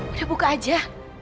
udah buka aja